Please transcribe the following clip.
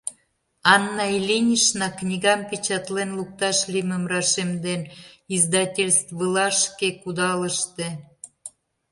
Анна Ильинична, книгам печатлен лукташ лиймым рашемден, издательствылашке кудалыште.